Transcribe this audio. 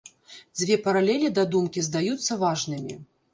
Дзве паралелі да думкі здаюцца важнымі.